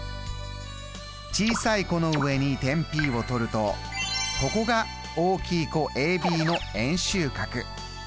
小さい弧の上に点Ｐをとるとここが大きい弧ＡＢの円周角。